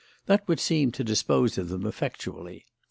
That would seem to dispose of them effectually.